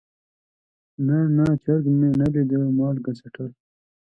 نه نه چرګ مې نه ليده مالګه څټل.